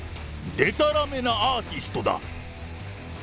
でたらめなアーティストだ。